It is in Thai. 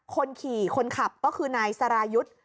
คนขี่คนขับก็คือนายสรายุทธ์